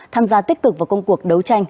tham gia tích cực vào công cuộc đấu tranh